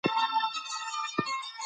هغه د کورنۍ لپاره صبر کوي.